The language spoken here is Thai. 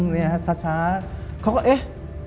เนี่ยฮะช้าเขาก็เอ๊ะ